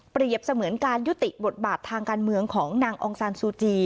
เสมือนการยุติบทบาททางการเมืองของนางองซานซูจี